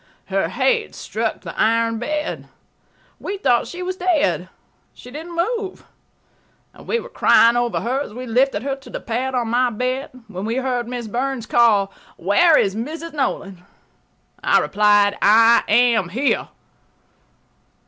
Her head struck the iron bed. We thought she was dead. She didn't move. We were crying over her as we lifted her to the pad on my bed, when we heard Miss Burns call: "Where is Mrs. Nolan?" I replied, "I am here."